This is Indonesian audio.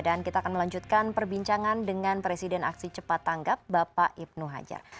dan kita akan melanjutkan perbincangan dengan presiden aksi cepat tanggap bapak ibnu hajar